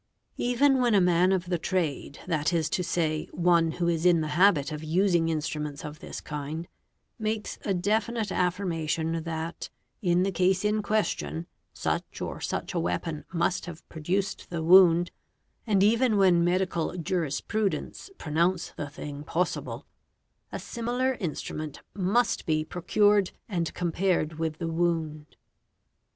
Even when a man of the trade, that is to say, one who is in the habit of using instruments AL RS eo Bb BE, of this kind, makes a definite affirmation that, in the case in question, such or such a weapon must have produced the wound, and even when medical jurisprudents pronounce the thing possible, a similar instrument must be procured and compared with the wound.